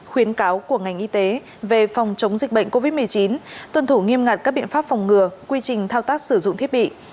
khuyến cáo của ngành y tế về phòng chống dịch bệnh covid một mươi chín tuân thủ nghiêm ngặt các biện pháp phòng ngừa quy trình thao tác sử dụng thiết bị